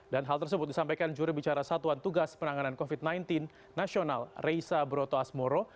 dan hal tersebut disampaikan juri bicara satuan tugas penanganan covid sembilan belas nasional reysa brotoasmoro